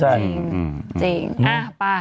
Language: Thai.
จริงอ้าวป่า